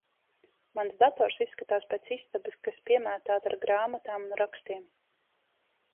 Mans dators izskatās pēc istabas, kas piemētāta ar grāmatām un rakstiem.